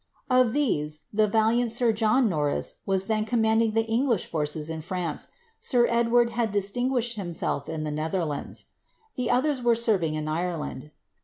Of these, the valiant sir John Norris was then commanding the English forces in France, sir Edward had distinguished himself in the Netherlands. The others were serving in Ireland.